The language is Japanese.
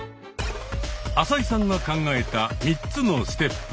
朝井さんが考えた３つのステップ。